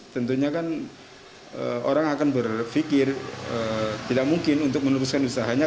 tentunya kan orang akan berpikir tidak mungkin untuk meneruskan usahanya